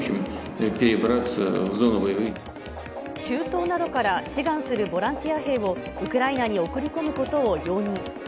中東などから志願するボランティア兵を、ウクライナに送り込むことを容認。